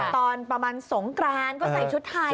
ตอนประมาณสงกรานก็ใส่ชุดไทย